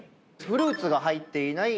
フルーツが入っていない。